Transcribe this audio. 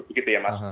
begitu ya mas